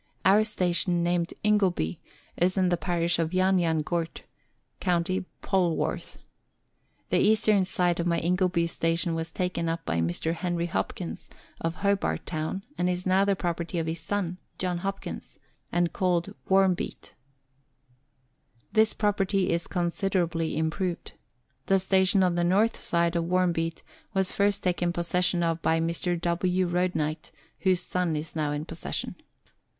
Our station, named Ingleby, is in the parish of Yan Yan Gurt, county Polwarth. The eastern side of my Ingleby station was taken up by Mr. Henry Hopkins, of Hobart Town, and is now the property of his son, John Hopkins, and called Wormbete. This property is considerably improved. The station on the north side of Wormbete was first taken possession of by Mr. W. Roadkuight, whose son is now in possession.